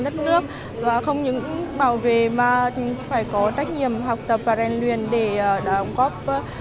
đất nước và không những bảo vệ mà phải có trách nhiệm học tập và rèn luyện để đóng góp